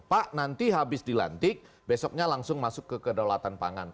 pak nanti habis dilantik besoknya langsung masuk ke kedaulatan pangan